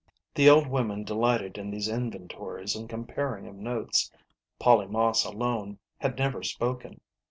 The old women delighted in these inventories and com paring of notes. Polly Moss alone had never spoken.